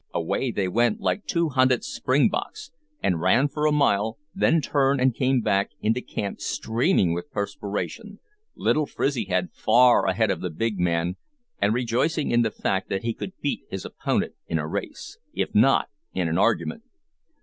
Away they went like two hunted springboks, and ran for a mile, then turned and came back into camp streaming with perspiration, little Frizzyhead far ahead of the big man, and rejoicing in the fact that he could beat his opponent in a race, if not in an argument.